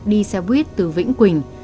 đi xe buýt từ vĩnh quỳnh